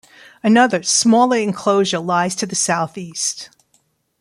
Another, smaller, enclosure lies to the south-east.